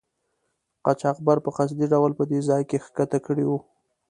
قاچاقبر په قصدي ډول په دې ځای کې ښکته کړي وو.